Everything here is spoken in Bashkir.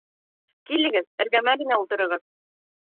Килегеҙ, эргәмә генә ултырығыҙ.